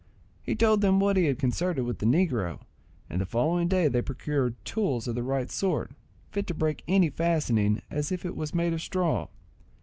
He told them what he had concerted with the negro, and the following day they procured tools of the right sort, fit to break any fastening as if it was made of straw.